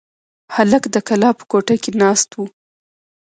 هلک د کلا په کوټه کې ناست و.